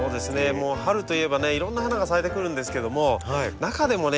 春といえばねいろんな花が咲いてくるんですけども中でもね